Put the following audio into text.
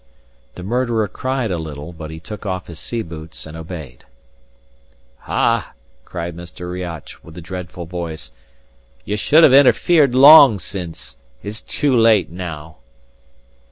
The murderer cried a little, but he took off his sea boots and obeyed. "Ah!" cried Mr. Riach, with a dreadful voice, "ye should have interfered long syne. It's too late now."